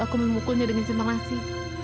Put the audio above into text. aku memukulnya dengan jentang nasi